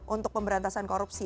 untuk pemberantasan korupsi